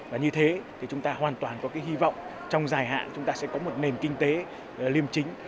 và như thế thì chúng ta hoàn toàn có cái hy vọng trong dài hạn chúng ta sẽ có một nền kinh tế liêm chính